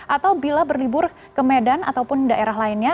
atau bila berlibur ke medan ataupun daerah lainnya